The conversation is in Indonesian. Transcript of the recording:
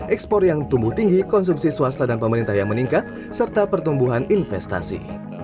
ekspor yang tumbuh tinggi konsumsi swasta dan pemerintah yang meningkat serta pertumbuhan investasi